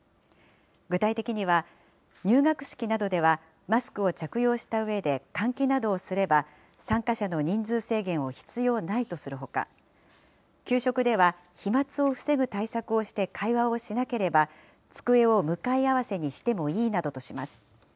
具体的には、入学式などではマスクを着用したうえで、換気などをすれば、参加者の人数制限を必要ないとするほか、給食では飛まつを防ぐ対策をして会話をしなければ、机を向かい合わせにしてもいいなどとします。